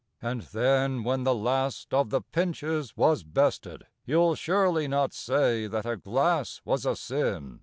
And then, when the last of the pinches was bested, (You'll surely not say that a glass was a sin?)